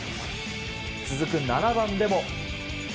続く７番でも。